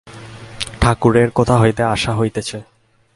ঠাকুরের কোথা হইতে আসা হইতেছে?